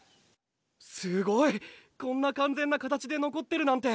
すごい！こんな完全な形で残ってるなんて！